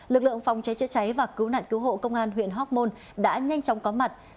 lực lượng phòng cháy chữa cháy và cứu nạn cứu hộ công an huyện hóc môn đã nhanh chóng có mặt